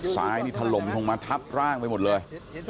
ซ้ายนี่ถล่มลงมาทับร่างไปหมดเลย